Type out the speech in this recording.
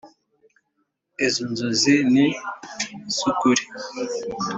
Izo nzozi ni iz ukuri